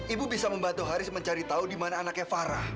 ibu bisa membantu haris mencari tahu di mana anaknya farah